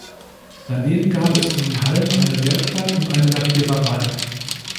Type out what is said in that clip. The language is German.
Daneben gab es in den Hallen eine Werkstatt und eine Lackiererei.